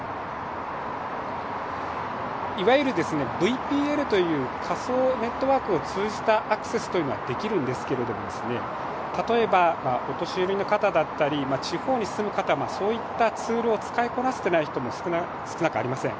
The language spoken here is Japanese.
いわゆるＶＰＬという仮想ネットワークを通じたアクセスはできるんですけども、例えばお年寄りの方だったり地方に住む方、そういったツールを使いこなせていない方少なくありません。